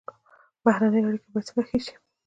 بهرنۍ اړیکې باید څنګه ښې شي؟